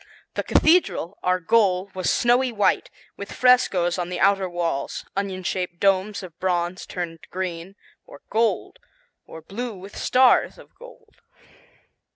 The cathedral, our goal, was snowy white, with frescoes on the outer walls, onion shaped domes of bronze turned green; or gold, or blue with stars of gold.